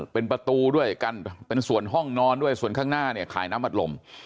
เป็นประตูด้วยกันเป็นส่วนห้องนอนด้วยส่วนข้างหน้าเนี่ยขายน้ำอัดลม